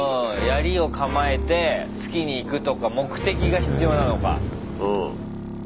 やりを構えて突きにいくとか目的が必要なのか。